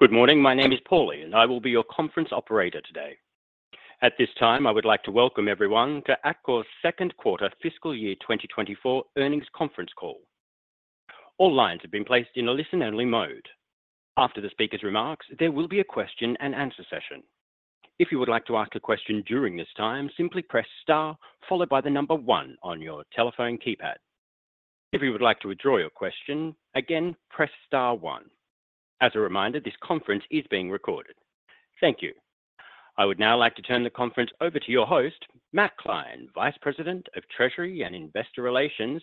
Good morning. My name is Paulie, and I will be your conference operator today. At this time, I would like to welcome everyone to Atkore's second quarter fiscal year 2024 earnings conference call. All lines have been placed in a listen-only mode. After the speaker's remarks, there will be a question and answer session. If you would like to ask a question during this time, simply press Star followed by the number one on your telephone keypad. If you would like to withdraw your question, again, press Star one. As a reminder, this conference is being recorded. Thank you. I would now like to turn the conference over to your host, Matt Kline, Vice President of Treasury and Investor Relations.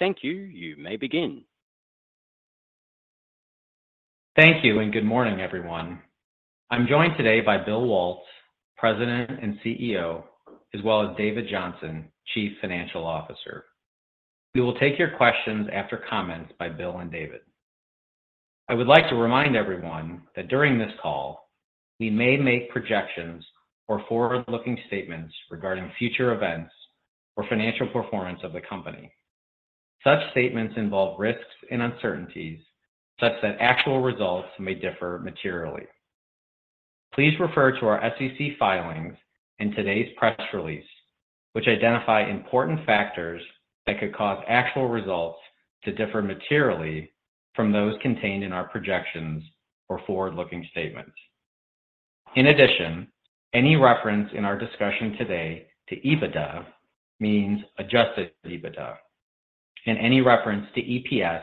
Thank you. You may begin. Thank you, and good morning, everyone. I'm joined today by Bill Waltz, President and CEO, as well as David Johnson, Chief Financial Officer. We will take your questions after comments by Bill and David. I would like to remind everyone that during this call, we may make projections or forward-looking statements regarding future events or financial performance of the company. Such statements involve risks and uncertainties such that actual results may differ materially. Please refer to our SEC filings and today's press release, which identify important factors that could cause actual results to differ materially from those contained in our projections or forward-looking statements. In addition, any reference in our discussion today to EBITDA means adjusted EBITDA, and any reference to EPS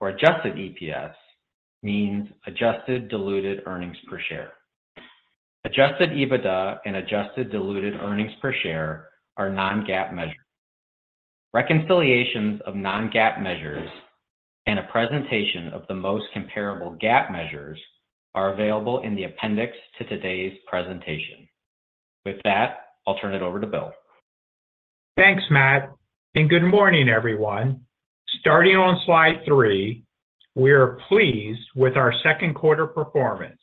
or adjusted EPS means adjusted diluted earnings per share. Adjusted EBITDA and adjusted diluted earnings per share are non-GAAP measures. Reconciliations of non-GAAP measures and a presentation of the most comparable GAAP measures are available in the appendix to today's presentation. With that, I'll turn it over to Bill. Thanks, Matt, and good morning, everyone. Starting on slide three, we are pleased with our second quarter performance.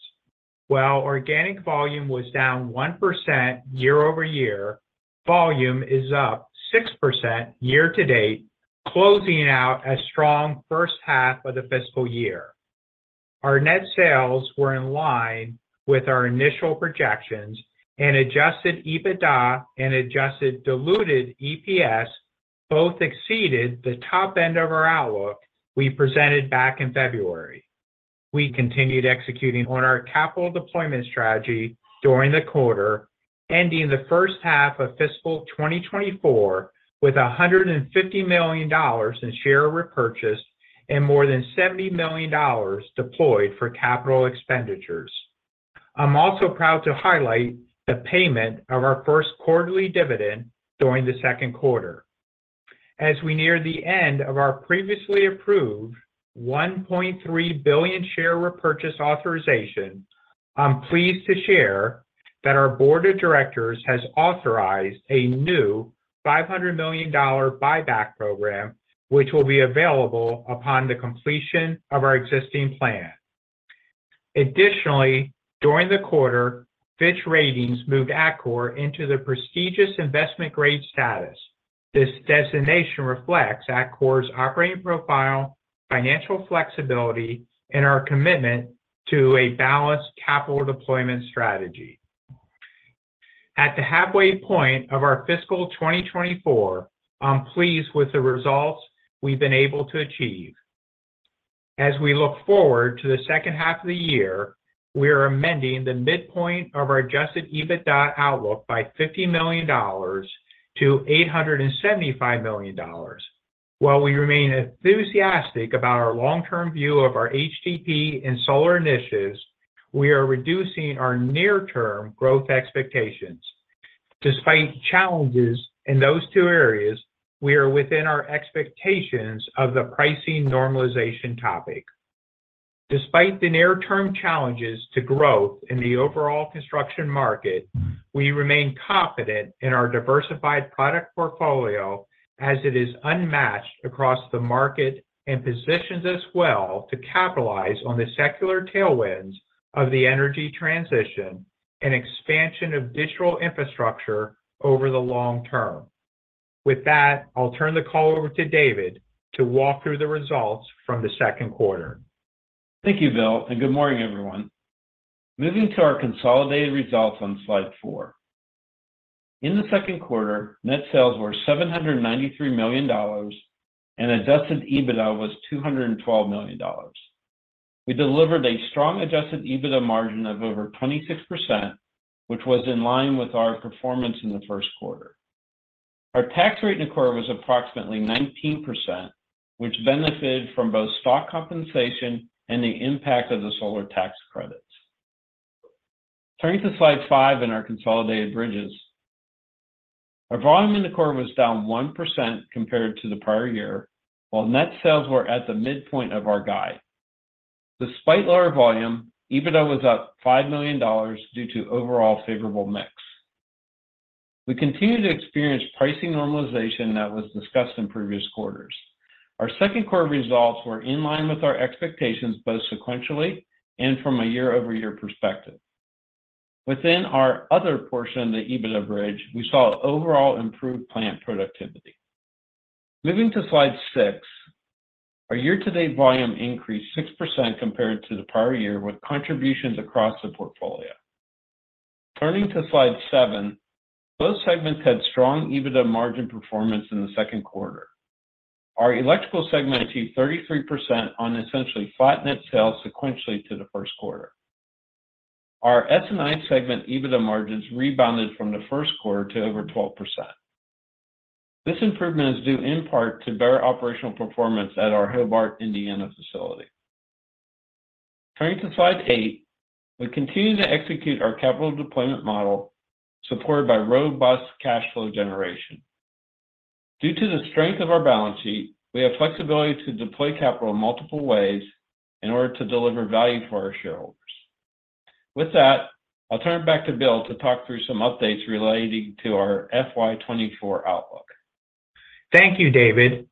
While organic volume was down 1% year-over-year, volume is up 6% year to date, closing out a strong first half of the fiscal year. Our net sales were in line with our initial projections, and adjusted EBITDA and adjusted diluted EPS both exceeded the top end of our outlook we presented back in February. We continued executing on our capital deployment strategy during the quarter, ending the first half of fiscal 2024 with $150 million in share repurchase and more than $70 million deployed for capital expenditures. I'm also proud to highlight the payment of our first quarterly dividend during the second quarter. As we near the end of our previously approved $1.3 billion share repurchase authorization, I'm pleased to share that our board of directors has authorized a new $500 million buyback program, which will be available upon the completion of our existing plan. Additionally, during the quarter, Fitch Ratings moved Atkore into the prestigious investment grade status. This designation reflects Atkore's operating profile, financial flexibility, and our commitment to a balanced capital deployment strategy. At the halfway point of our fiscal 2024, I'm pleased with the results we've been able to achieve. As we look forward to the second half of the year, we are amending the midpoint of our adjusted EBITDA outlook by $50 million to $875 million. While we remain enthusiastic about our long-term view of our HDPE and solar initiatives, we are reducing our near-term growth expectations. Despite challenges in those two areas, we are within our expectations of the pricing normalization topic. Despite the near-term challenges to growth in the overall construction market, we remain confident in our diversified product portfolio as it is unmatched across the market and positions us well to capitalize on the secular tailwinds of the energy transition and expansion of digital infrastructure over the long term. With that, I'll turn the call over to David to walk through the results from the second quarter. Thank you, Bill, and good morning, everyone. Moving to our consolidated results on slide 4. In the second quarter, net sales were $793 million, and Adjusted EBITDA was $212 million. We delivered a strong Adjusted EBITDA margin of over 26%, which was in line with our performance in the first quarter. Our tax rate in the quarter was approximately 19%, which benefited from both stock compensation and the impact of the solar tax credits. Turning to slide 5 in our consolidated bridges. Our volume in the quarter was down 1% compared to the prior year, while net sales were at the midpoint of our guide. Despite lower volume, EBITDA was up $5 million due to overall favorable mix. We continue to experience pricing normalization that was discussed in previous quarters. Our second quarter results were in line with our expectations, both sequentially and from a year-over-year perspective. Within our other portion of the EBITDA bridge, we saw overall improved plant productivity. Moving to slide 6, our year-to-date volume increased 6% compared to the prior year, with contributions across the portfolio. Turning to slide 7, both segments had strong EBITDA margin performance in the second quarter. Our electrical segment achieved 33% on essentially flat net sales sequentially to the first quarter. Our S&I segment EBITDA margins rebounded from the first quarter to over 12%. This improvement is due in part to better operational performance at our Hobart, Indiana, facility. Turning to slide 8, we continue to execute our capital deployment model, supported by robust cash flow generation. Due to the strength of our balance sheet, we have flexibility to deploy capital in multiple ways in order to deliver value for our shareholders. With that, I'll turn it back to Bill to talk through some updates relating to our FY 2024 outlook. Thank you, David.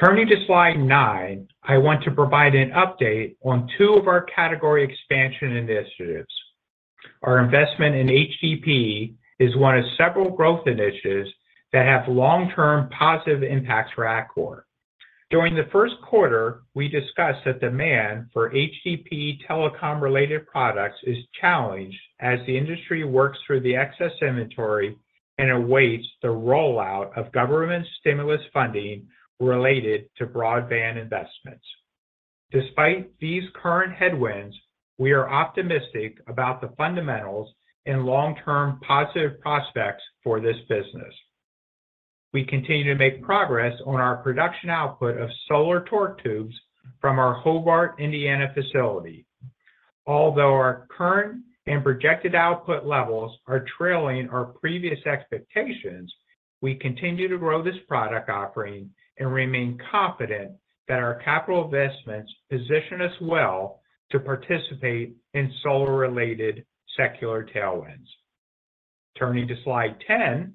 Turning to slide 9, I want to provide an update on two of our category expansion initiatives. Our investment in HDPE is one of several growth initiatives that have long-term positive impacts for Atkore. During the first quarter, we discussed that demand for HDPE telecom-related products is challenged, as the industry works through the excess inventory and awaits the rollout of government stimulus funding related to broadband investments. Despite these current headwinds, we are optimistic about the fundamentals and long-term positive prospects for this business. We continue to make progress on our production output of solar torque tubes from our Hobart, Indiana, facility. Although our current and projected output levels are trailing our previous expectations, we continue to grow this product offering and remain confident that our capital investments position us well to participate in solar-related secular tailwinds. Turning to slide 10,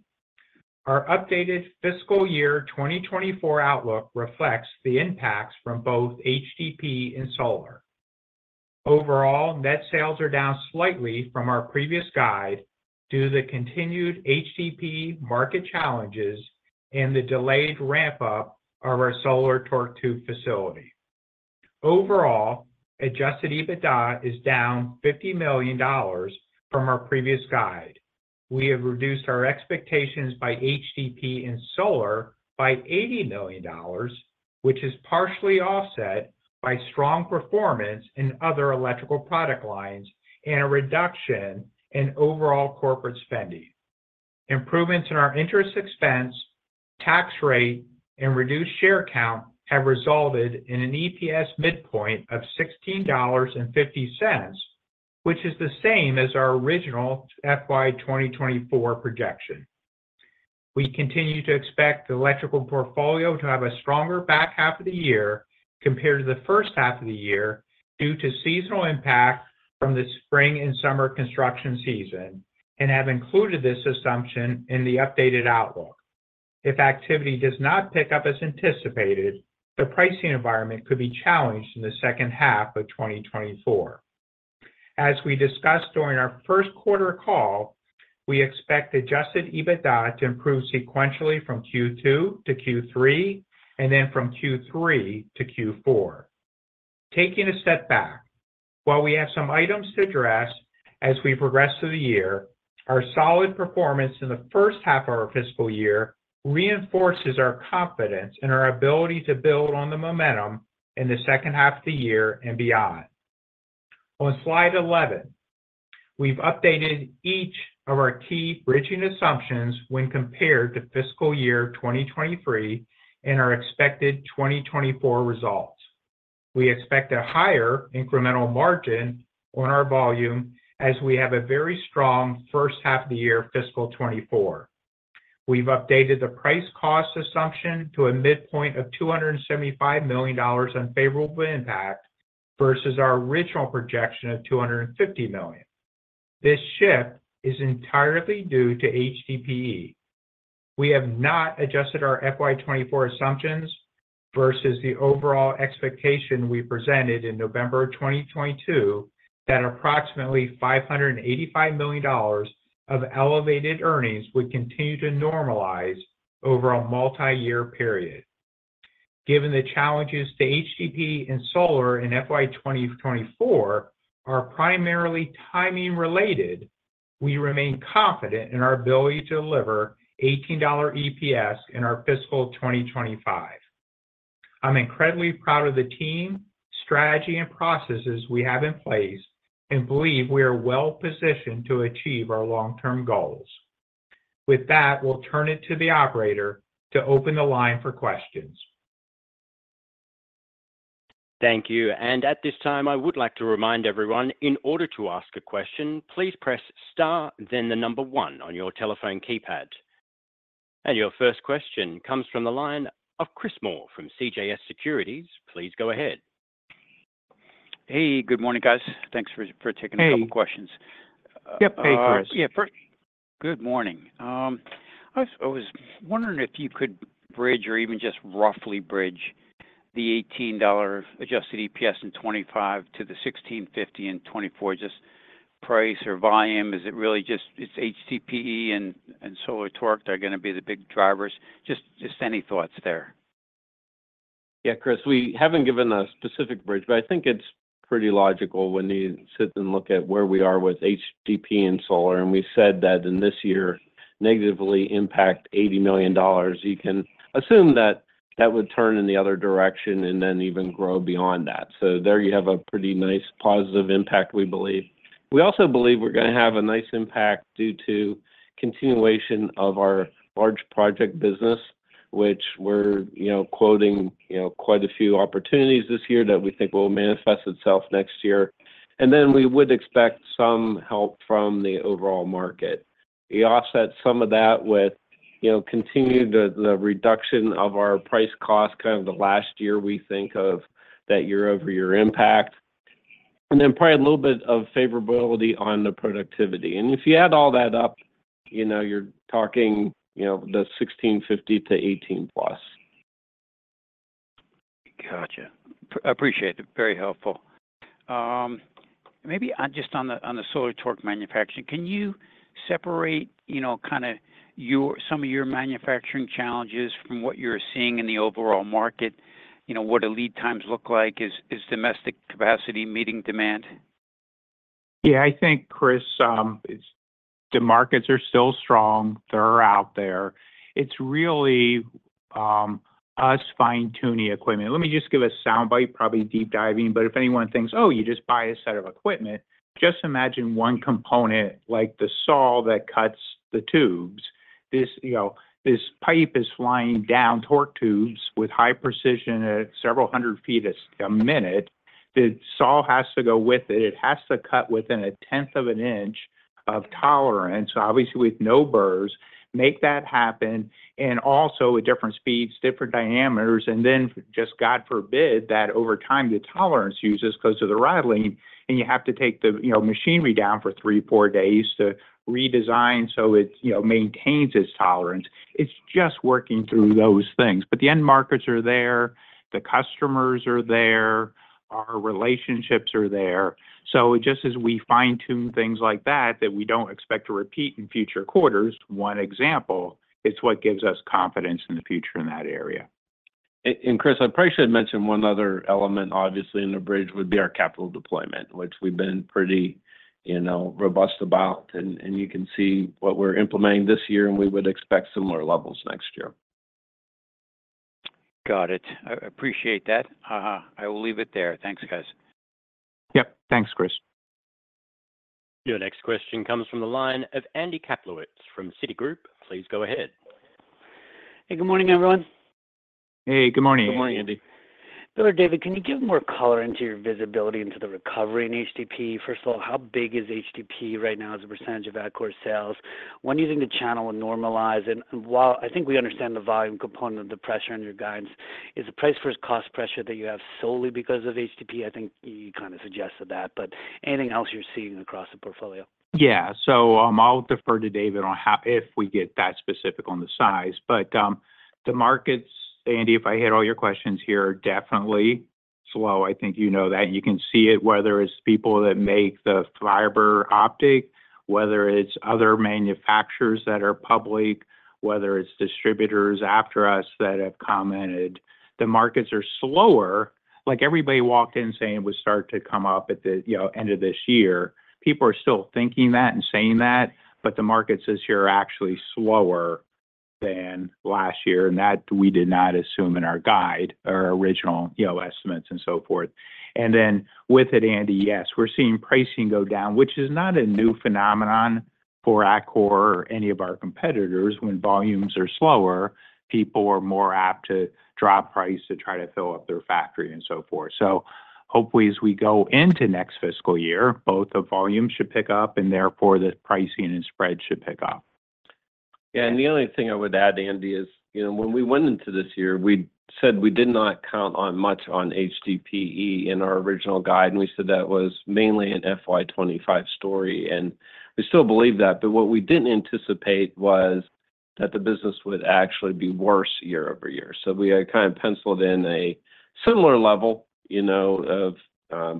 our updated fiscal year 2024 outlook reflects the impacts from both HDPE and solar. Overall, net sales are down slightly from our previous guide due to the continued HDPE market challenges and the delayed ramp-up of our solar torque tube facility. Overall, Adjusted EBITDA is down $50 million from our previous guide. We have reduced our expectations by HDPE and solar by $80 million, which is partially offset by strong performance in other electrical product lines and a reduction in overall corporate spending. Improvements in our interest expense, tax rate, and reduced share count have resulted in an EPS midpoint of $16.50, which is the same as our original FY 2024 projection. We continue to expect the electrical portfolio to have a stronger back half of the year compared to the first half of the year, due to seasonal impact from the spring and summer construction season, and have included this assumption in the updated outlook. If activity does not pick up as anticipated, the pricing environment could be challenged in the second half of 2024. As we discussed during our first quarter call, we expect Adjusted EBITDA to improve sequentially from Q2 to Q3, and then from Q3 to Q4. Taking a step back, while we have some items to address as we progress through the year, our solid performance in the first half of our fiscal year reinforces our confidence in our ability to build on the momentum in the second half of the year and beyond. On slide 11, we've updated each of our key bridging assumptions when compared to fiscal year 2023 and our expected 2024 results. We expect a higher incremental margin on our volume as we have a very strong first half of the year, fiscal 2024. We've updated the price-cost assumption to a midpoint of $275 million unfavorable impact versus our original projection of $250 million. This shift is entirely due to HDPE. We have not adjusted our FY 2024 assumptions versus the overall expectation we presented in November of 2022, that approximately $585 million of elevated earnings would continue to normalize over a multiyear period. Given the challenges to HDPE and solar in FY 2024 are primarily timing-related, we remain confident in our ability to deliver $18 EPS in our fiscal 2025. I'm incredibly proud of the team, strategy, and processes we have in place and believe we are well positioned to achieve our long-term goals. With that, we'll turn it to the operator to open the line for questions. Thank you. At this time, I would like to remind everyone, in order to ask a question, please press star, then the number one on your telephone keypad. Your first question comes from the line of Chris Moore from CJS Securities. Please go ahead. Hey, good morning, guys. Thanks for taking a couple questions. Yep. Hey, Chris. Yeah. First, good morning. I was wondering if you could bridge or even just roughly bridge the $18 adjusted EPS in 2025 to the $16.50 in 2024, just price or volume? Is it really just it's HDPE and solar torque are gonna be the big drivers? Just any thoughts there? Yeah, Chris, we haven't given a specific bridge, but I think it's pretty logical when you sit and look at where we are with HDPE and solar, and we said that in this year negatively impact $80 million. You can assume that that would turn in the other direction and then even grow beyond that. So there you have a pretty nice positive impact, we believe. We also believe we're gonna have a nice impact due to continuation of our large project business, which we're, you know, quoting, you know, quite a few opportunities this year that we think will manifest itself next year. And then we would expect some help from the overall market. We offset some of that with, you know, continued the reduction of our price cost, kind of the last year we think of that year-over-year impact, and then probably a little bit of favorability on the productivity. And if you add all that up, you know, you're talking, you know, $16.50-$18+. Gotcha. Appreciate it. Very helpful. Maybe just on the solar torque manufacturing, can you separate, you know, kinda your some of your manufacturing challenges from what you're seeing in the overall market? You know, what do lead times look like? Is domestic capacity meeting demand? Yeah, I think, Chris, it's the markets are still strong. They're out there. It's really us fine-tuning equipment. Let me just give a soundbite, probably deep diving, but if anyone thinks, "Oh, you just buy a set of equipment," just imagine one component, like the saw that cuts the tubes. This, you know, this pipe is flying down torque tubes with high precision at several hundred feet a minute. The saw has to go with it. It has to cut within a tenth of an inch of tolerance, obviously with no burrs, make that happen, and also at different speeds, different diameters, and then just, God forbid, that over time, the tolerance uses close to the riveting, and you have to take the, you know, machinery down for 3-4 days to redesign so it, you know, maintains its tolerance. It's just working through those things. But the end markets are there, the customers are there, our relationships are there. So just as we fine-tune things like that, that we don't expect to repeat in future quarters, one example, it's what gives us confidence in the future in that area. Chris, I probably should mention one other element, obviously, in the bridge would be our capital deployment, which we've been pretty, you know, robust about, and you can see what we're implementing this year, and we would expect similar levels next year. Got it. I appreciate that. Uh-huh, I will leave it there. Thanks, guys. Yep. Thanks, Chris. Your next question comes from the line of Andy Kaplowitz from Citigroup. Please go ahead. Hey, good morning, everyone. Hey, good morning. Good morning, Andy. Bill or David, can you give more color into your visibility into the recovery in HDPE? First of all, how big is HDPE right now as a percentage of Atkore sales? When do you think the channel will normalize? And while I think we understand the volume component of the pressure on your guidance, is the price versus cost pressure that you have solely because of HDPE? I think you kind of suggested that, but anything else you're seeing across the portfolio? Yeah. So, I'll defer to David on how, if we get that specific on the size. But, the markets, Andy, if I hear all your questions here, are definitely slow. I think you know that. You can see it, whether it's people that make the fiber optic, whether it's other manufacturers that are public, whether it's distributors after us that have commented. The markets are slower. Like, everybody walked in saying it would start to come up at the, you know, end of this year. People are still thinking that and saying that, but the markets this year are actually slower than last year, and that we did not assume in our guide or original, you know, estimates and so forth. And then with it, Andy, yes, we're seeing pricing go down, which is not a new phenomenon for Atkore or any of our competitors. When volumes are slower, people are more apt to drop price to try to fill up their factory and so forth. So hopefully, as we go into next fiscal year, both the volume should pick up, and therefore, the pricing and spread should pick up. Yeah, and the only thing I would add, Andy, is, you know, when we went into this year, we said we did not count on much on HDPE in our original guide, and we said that was mainly an FY 2025 story, and we still believe that. But what we didn't anticipate was that the business would actually be worse year-over-year. So we had kind of penciled in a similar level, you know, of,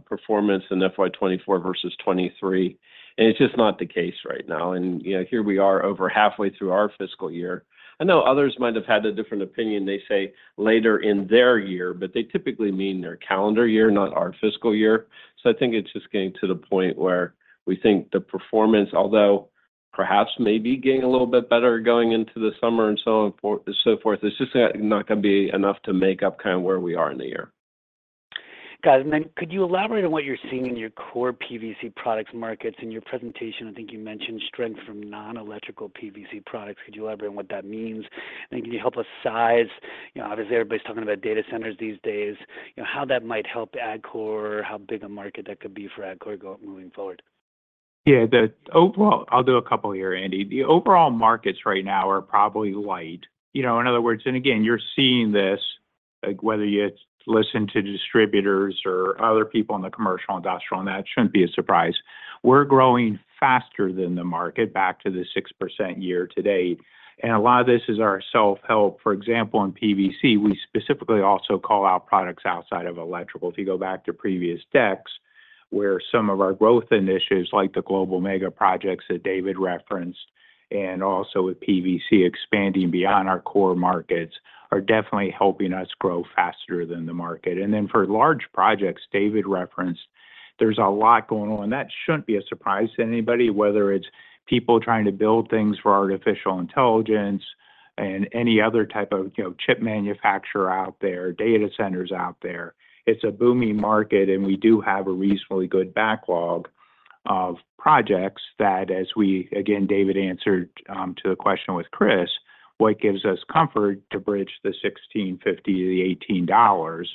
performance in FY 2024 versus 2023, and it's just not the case right now. And, you know, here we are over halfway through our fiscal year. I know others might have had a different opinion, they say, later in their year, but they typically mean their calendar year, not our fiscal year. So, I think it's just getting to the point where we think the performance, although perhaps may be getting a little bit better going into the summer and so on, so forth, it's just not gonna be enough to make up kind of where we are in the year. Got it. And then could you elaborate on what you're seeing in your core PVC products markets? In your presentation, I think you mentioned strength from non-electrical PVC products. Could you elaborate on what that means? And can you help us size... You know, obviously, everybody's talking about data centers these days, you know, how that might help Atkore, how big a market that could be for Atkore moving forward? Yeah, the overall, I'll do a couple here, Andy. The overall markets right now are probably light. You know, in other words, and again, you're seeing this, like, whether you listen to distributors or other people in the commercial, industrial, and that shouldn't be a surprise. We're growing faster than the market, back to the 6% year-to-date, and a lot of this is our self-help. For example, in PVC, we specifically also call out products outside of electrical. If you go back to previous decks, where some of our growth initiatives, like the global mega projects that David referenced, and also with PVC expanding beyond our core markets, are definitely helping us grow faster than the market. And then for large projects David referenced, there's a lot going on, and that shouldn't be a surprise to anybody, whether it's people trying to build things for artificial intelligence and any other type of, you know, chip manufacturer out there, data centers out there. It's a booming market, and we do have a reasonably good backlog of projects that as we—again, David answered to the question with Chris, what gives us comfort to bridge the $16.50-$18,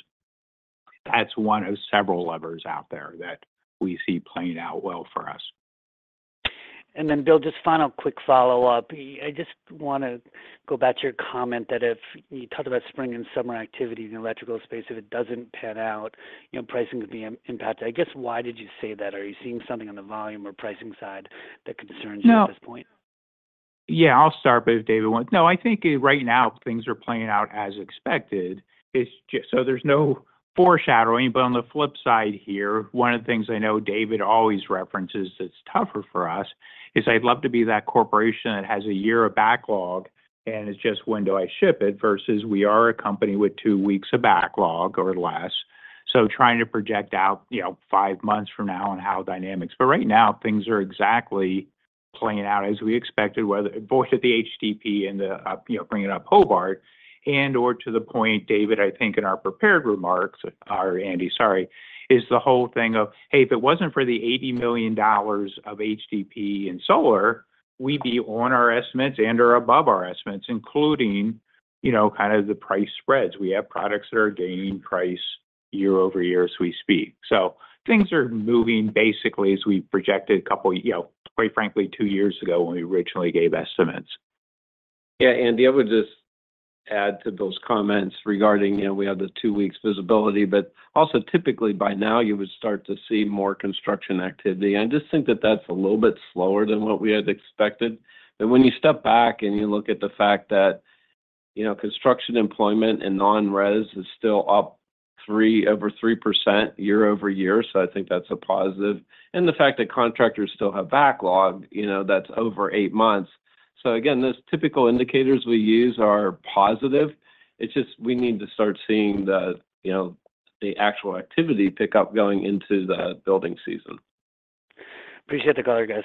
that's one of several levers out there that we see playing out well for us. And then, Bill, just final quick follow-up. I just wanna go back to your comment that if you talk about spring and summer activity in the electrical space, if it doesn't pan out, you know, pricing could be impacted. I guess, why did you say that? Are you seeing something on the volume or pricing side that concerns you at this point? Yeah, I'll start, but if David wants... No, I think right now, things are playing out as expected. It's just. So there's no foreshadowing. But on the flip side here, one of the things I know David always references that's tougher for us is I'd love to be that corporation that has a year of backlog and it's just when do I ship it, versus we are a company with two weeks of backlog or less. So trying to project out, you know, five months from now on how dynamics. But right now, things are exactly playing out as we expected, whether both at the HTP and the, you know, bringing up Hobart, and/or to the point David, I think, in our prepared remarks, or Andy, sorry, is the whole thing of, "Hey, if it wasn't for the $80 million of HTP in solar, we'd be on our estimates and/or above our estimates, including, you know, kind of the price spreads." We have products that are gaining price year-over-year as we speak. So things are moving basically as we projected a couple, you know, quite frankly, two years ago when we originally gave estimates. Yeah, Andy, I would just add to those comments regarding, you know, we have the two weeks visibility, but also typically by now you would start to see more construction activity. I just think that that's a little bit slower than what we had expected. But when you step back and you look at the fact that, you know, construction employment in non-res is still up over 3% year-over-year, so I think that's a positive. And the fact that contractors still have backlog, you know, that's over eight months. So again, those typical indicators we use are positive. It's just we need to start seeing the, you know, the actual activity pick up going into the building season. Appreciate the color, guys.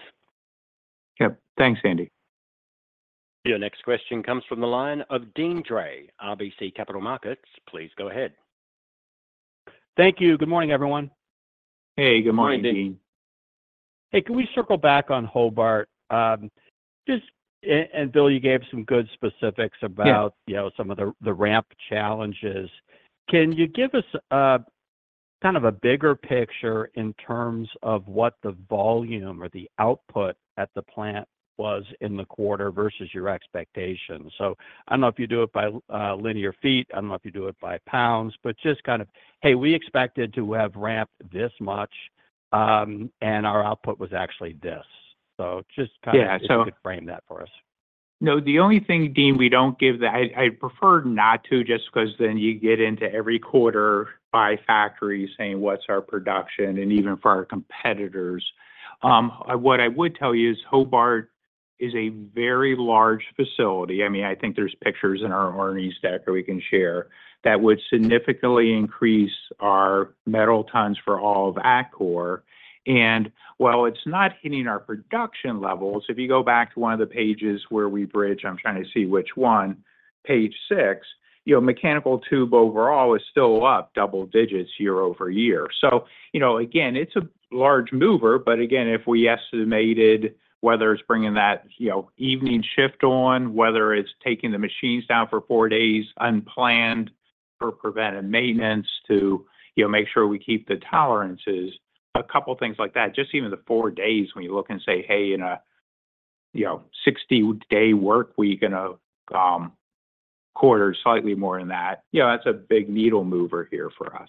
Yep. Thanks, Andy. Your next question comes from the line of Deane Dray, RBC Capital Markets. Please go ahead. Thank you. Good morning, everyone. Hey, good morning, Deane. Good morning. Hey, can we circle back on Hobart? Just, and Bill, you gave some good specifics about- Yeah You know, some of the ramp challenges. Can you give us kind of a bigger picture in terms of what the volume or the output at the plant was in the quarter versus your expectations? So I don't know if you do it by linear feet, I don't know if you do it by pounds, but just kind of, "Hey, we expected to have ramped this much, and our output was actually this." So just kind of if you could frame that for us. No, the only thing, Dean, we don't give the—I prefer not to, just 'cause then you get into every quarter by factory saying what's our production and even for our competitors. What I would tell you is Hobart is a very large facility. I mean, I think there's pictures in our earnings deck that we can share, that would significantly increase our metal tons for all of Atkore. And while it's not hitting our production levels, if you go back to one of the pages where we bridge, I'm trying to see which one, page six, you know, mechanical tube overall is still up double digits year-over-year. So you know, again, it's a large mover, but again, if we estimated whether it's bringing that, you know, evening shift on, whether it's taking the machines down for four days unplanned for preventive maintenance to, you know, make sure we keep the tolerances, a couple of things like that. Just even the four days when you look and say, hey, in a, you know, 60-day work week and a quarter, slightly more than that, you know, that's a big needle mover here for us.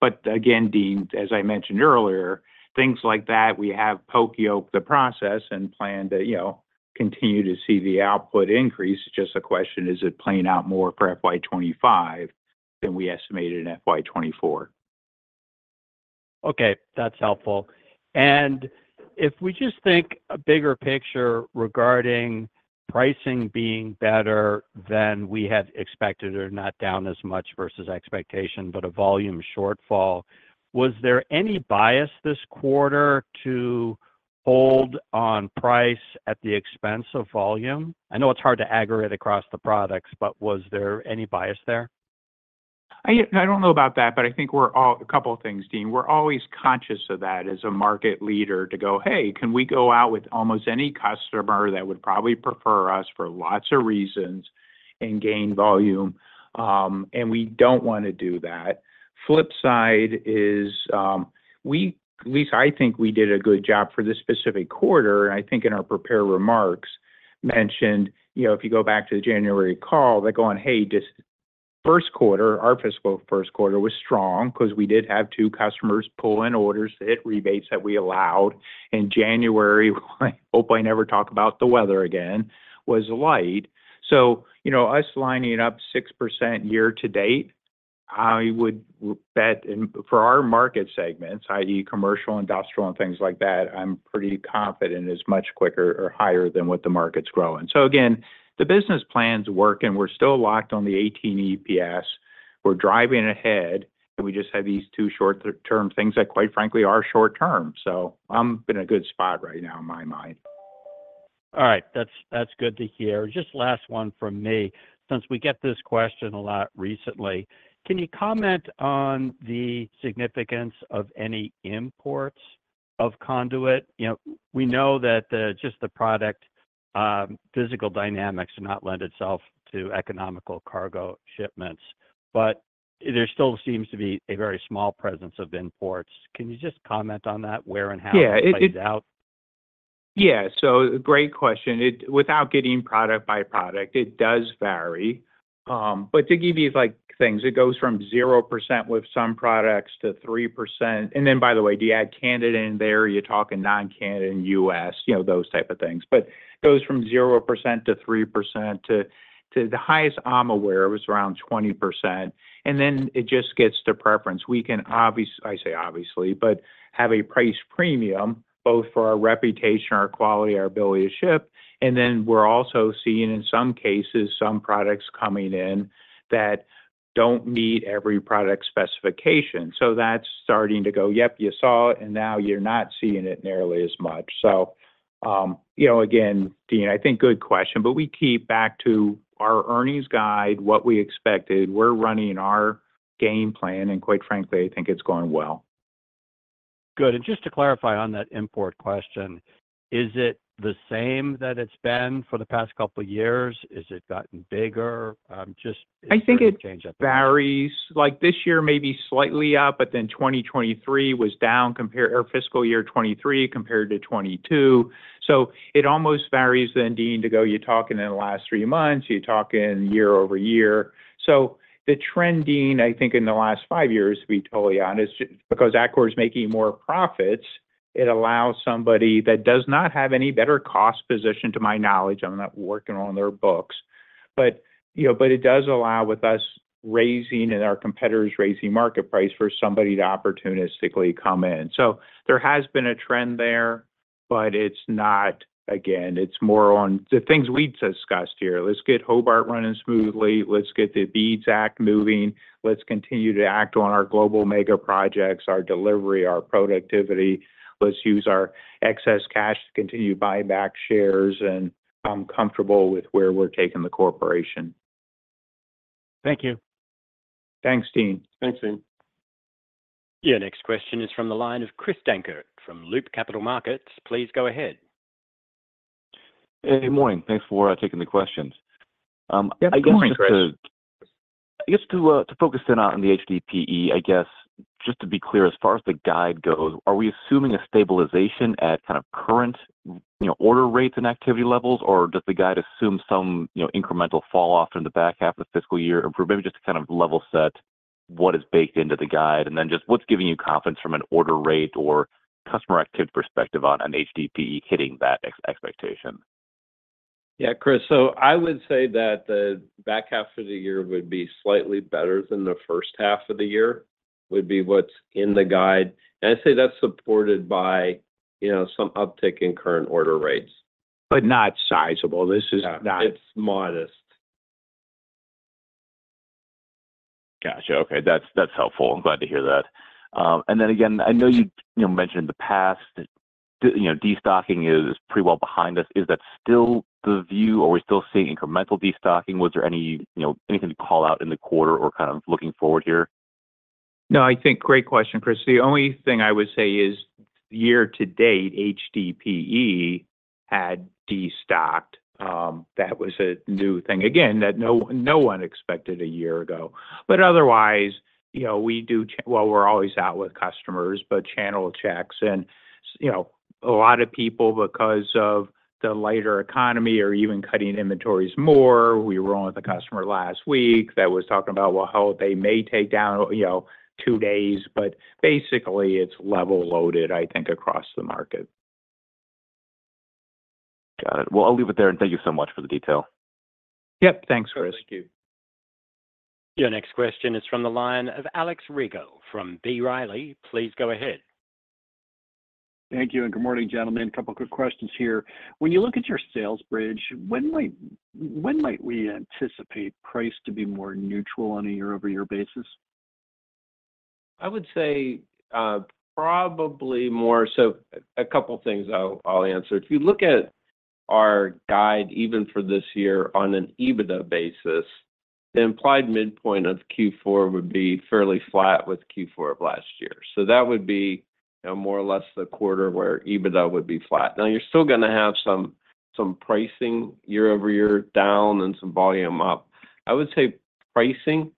But again, Dean, as I mentioned earlier, things like that, we have poka-yoke the process and plan to, you know, continue to see the output increase. Just the question is, it playing out more for FY 2025 than we estimated in FY 2024. Okay, that's helpful. And if we just think a bigger picture regarding pricing being better than we had expected or not down as much versus expectation, but a volume shortfall, was there any bias this quarter to hold on price at the expense of volume? I know it's hard to aggregate across the products, but was there any bias there? I don't know about that, but I think we're all—a couple of things, Dean. We're always conscious of that as a market leader to go, "Hey, can we go out with almost any customer that would probably prefer us for lots of reasons and gain volume?" And we don't wanna do that. Flip side is, we, at least I think we did a good job for this specific quarter, and I think in our prepared remarks mentioned, you know, if you go back to the January call, they're going: "Hey, just—first quarter, our fiscal first quarter was strong, 'cause we did have two customers pull in orders to hit rebates that we allowed. In January, I hope I never talk about the weather again, was light. So, you know, us lining it up 6% year to date, I would bet, and for our market segments, i.e., commercial, industrial, and things like that, I'm pretty confident is much quicker or higher than what the market's growing. So again, the business plan's working. We're still locked on the adjusted EPS. We're driving ahead, and we just have these two short-term things that, quite frankly, are short-term. So I'm in a good spot right now in my mind. All right. That's, that's good to hear. Just last one from me, since we get this question a lot recently: can you comment on the significance of any imports of conduit? You know, we know that the, just the product, physical dynamics do not lend itself to economical cargo shipments, but there still seems to be a very small presence of imports. Can you just comment on that, where and how it plays out? Yeah, so great question. It without getting product by product, it does vary. But to give you, like, things, it goes from 0% with some products to 3%. And then, by the way, do you add Canada in there? You're talking non-Canadian, U.S., you know, those type of things. But goes from 0% to 3%, to the highest I'm aware was around 20%, and then it just gets to preference. We can obviously have a price premium, both for our reputation, our quality, our ability to ship, and then we're also seeing, in some cases, some products coming in that don't meet every product specification. So that's starting to go, yep, you saw it, and now you're not seeing it nearly as much. So, you know, again, Deane, I think good question, but we keep back to our earnings guide, what we expected. We're running our game plan, and quite frankly, I think it's going well. Good. And just to clarify on that import question, is it the same that it's been for the past couple of years? Is it gotten bigger? just- I think it varies. Like, this year may be slightly up, but then 2023 was down or fiscal year 2023 compared to 2022. So it almost varies then, Dean, to go, you're talking in the last 3 months, you're talking year-over-year. So the trending, I think, in the last 5 years, to be totally honest, because Atkore is making more profits, it allows somebody that does not have any better cost position, to my knowledge, I'm not working on their books, but, you know, but it does allow with us raising and our competitors raising market price for somebody to opportunistically come in. So there has been a trend there, but it's not... Again, it's more on the things we'd discussed here. Let's get Hobart running smoothly. Let's get the BEAD Act moving. Let's continue to act on our global mega projects, our delivery, our productivity. Let's use our excess cash to continue buy back shares, and I'm comfortable with where we're taking the corporation. Thank you. Thanks, Deane. Thanks, Deane. Yeah, next question is from the line of Chris Dankert from Loop Capital Markets. Please go ahead. Hey, good morning. Thanks for taking the questions. Yeah, good morning, Chris. I guess just to focus in on the HDPE, I guess, just to be clear, as far as the guide goes, are we assuming a stabilization at kind of current, you know, order rates and activity levels, or does the guide assume some, you know, incremental falloff in the back half of the fiscal year? And maybe just to kind of level set what is baked into the guide, and then just what's giving you confidence from an order rate or customer activity perspective on an HDPE hitting that expectation? Yeah, Chris, so I would say that the back half of the year would be slightly better than the first half of the year, would be what's in the guide. And I'd say that's supported by, you know, some uptick in current order rates. But not sizable. It's modest. Gotcha. Okay, that's, that's helpful. I'm glad to hear that. And then again, I know you, you mentioned in the past, you know, destocking is pretty well behind us. Is that still the view, or are we still seeing incremental destocking? Was there any, you know, anything to call out in the quarter or kind of looking forward here? No, I think great question, Chris. The only thing I would say is year to date, HDPE had destocked. That was a new thing, again, that no, no one expected a year ago. But otherwise, you know, well, we're always out with customers, but channel checks and, you know, a lot of people, because of the lighter economy, are even cutting inventories more. We were on with a customer last week that was talking about, well, how they may take down, you know, two days, but basically it's level loaded, I think, across the market. Got it. Well, I'll leave it there, and thank you so much for the detail. Yep, thanks, Chris. Thank you. Your next question is from the line of Alex Rygiel from B. Riley. Please go ahead. Thank you, and good morning, gentlemen. A couple quick questions here. When you look at your sales bridge, when might we anticipate price to be more neutral on a year-over-year basis? I would say. So a couple things I'll answer. If you look at our guide, even for this year, on an EBITDA basis, the implied midpoint of Q4 would be fairly flat with Q4 of last year. So that would be more or less the quarter where EBITDA would be flat. Now, you're still gonna have some pricing year-over-year down and some volume up. I would say pricing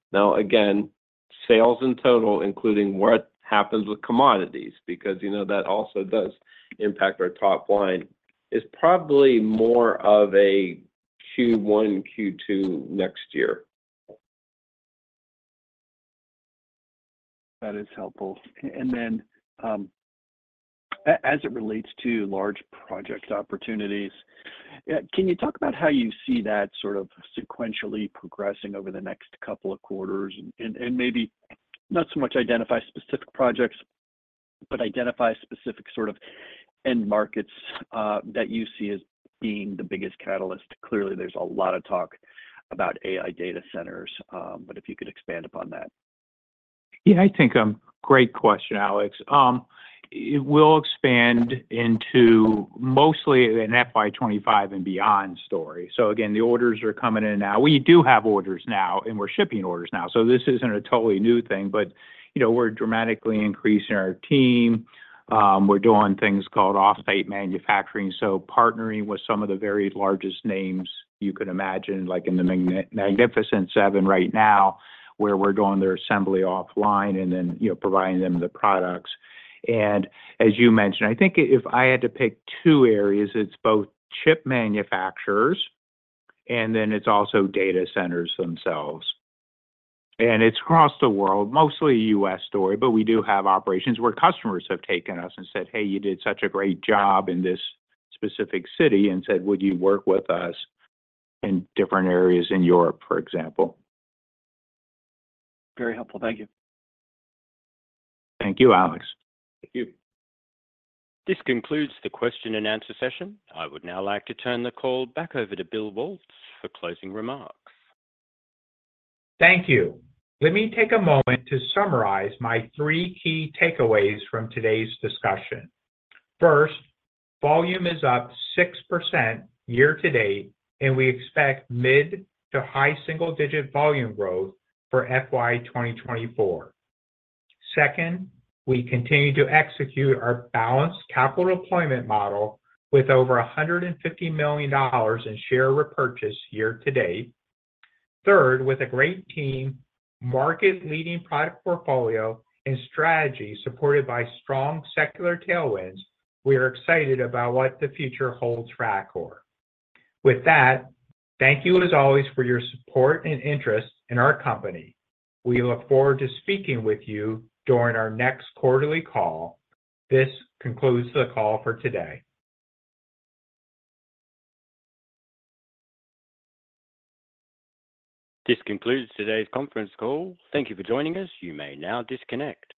sales in total, including what happens with commodities, because, you know, that also does impact our top line, is probably more of a Q1, Q2 next year. That is helpful. And then, as it relates to large project opportunities, can you talk about how you see that sort of sequentially progressing over the next couple of quarters? And maybe not so much identify specific projects, but identify specific sort of end markets that you see as being the biggest catalyst. Clearly, there's a lot of talk about AI data centers, but if you could expand upon that. Yeah, I think, great question, Alex. It will expand into mostly an FY 25 and beyond story. So again, the orders are coming in now. We do have orders now, and we're shipping orders now, so this isn't a totally new thing. But, you know, we're dramatically increasing our team. We're doing things called offsite manufacturing, so partnering with some of the very largest names you could imagine, like in the Magnificent Seven right now, where we're doing their assembly offline and then, you know, providing them the products. And as you mentioned, I think if I had to pick two areas, it's both chip manufacturers and then it's also data centers themselves. It's across the world, mostly a U.S. story, but we do have operations where customers have taken us and said, "Hey, you did such a great job in this specific city," and said, "Would you work with us in different areas in Europe," for example. Very helpful. Thank you. Thank you, Alex. Thank you. This concludes the question and answer session. I would now like to turn the call back over to Bill Waltz for closing remarks. Thank you. Let me take a moment to summarize my three key takeaways from today's discussion. First, volume is up 6% year to date, and we expect mid- to high single-digit volume growth for FY 2024. Second, we continue to execute our balanced capital deployment model with over $150 million in share repurchase year to date. Third, with a great team, market-leading product portfolio, and strategy supported by strong secular tailwinds, we are excited about what the future holds for Atkore. With that, thank you as always for your support and interest in our company. We look forward to speaking with you during our next quarterly call. This concludes the call for today. This concludes today's conference call. Thank you for joining us. You may now disconnect.